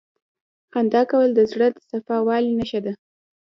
• خندا کول د زړه د صفا والي نښه ده.